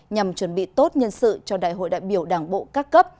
nhằm chuẩn bị tốt nhân sự cho đại hội đại biểu đảng bộ các cấp